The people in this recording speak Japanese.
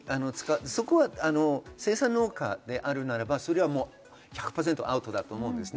そこは生産農家であるならば１００％アウトだと思います。